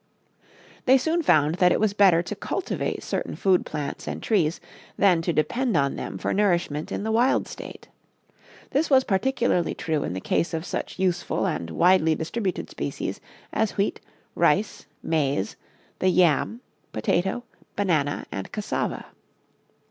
They soon found that it was better to cultivate certain food plants and trees than to depend on them for nourishment in the wild state. This was particularly true in the case of such useful and widely distributed species as wheat, rice, maize, the yam, potato, banana and cassava.